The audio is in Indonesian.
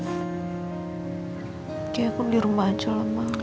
oke aku di rumah aja lah mama